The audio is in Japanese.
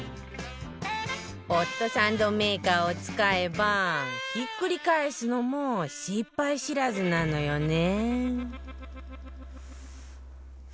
ホットサンドメーカーを使えばひっくり返すのも失敗知らずなのよね